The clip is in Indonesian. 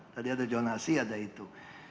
tadi ada jonasi ada itu